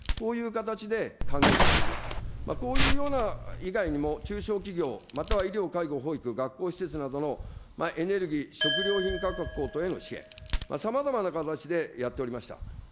こういう形で還元をしている、こういうような以外にも中小企業、または医療介護、保育、学校施設などのエネルギー、食料品価格への支援、さまざまな形でやっておりました。